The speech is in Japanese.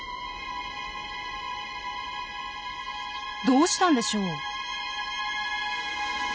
どうしたんでしょう？